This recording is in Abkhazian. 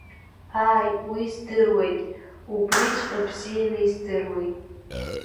Аа, уи здыруеит, убриҵәҟьа бзианы издыруеит.